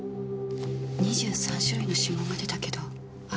２３種類の指紋が出たけどあいつのはなし。